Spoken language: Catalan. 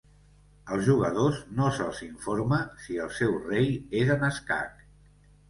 Als jugadors no se'ls informa si el seu rei és en escac.